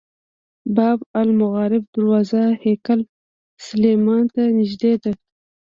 باب المغاربه دروازه هیکل سلیماني ته نږدې ده.